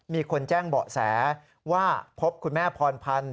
มีคนแจ้งเบาะแสว่าพบคุณแม่พรพันธ์